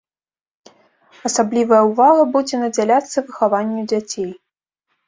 Асаблівая ўвага будзе надзяляцца выхаванню дзяцей.